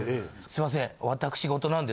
「すいません。